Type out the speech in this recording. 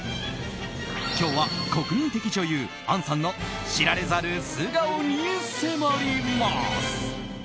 今日は国民的女優、杏さんの知られざる素顔に迫ります。